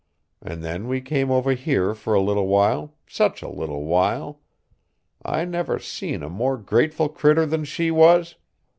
An' then we come over here fur a little while, such a little while! I never seen a more grateful critter than she was.